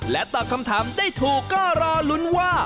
ตอบคำถามได้ถูกก็รอลุ้นว่า